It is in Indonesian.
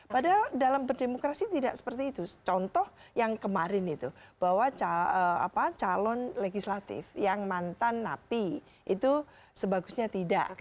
padahal dalam berdemokrasi tidak seperti itu contoh yang kemarin itu bahwa calon legislatif yang mantan napi itu sebagusnya tidak